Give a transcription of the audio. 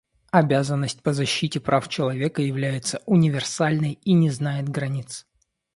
Обязанность по защите прав человека является универсальной и не знает границ.